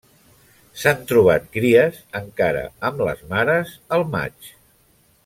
S'han trobat cries encara amb les mares al maig.